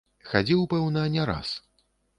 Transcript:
Хадзіў, пэўна, не раз.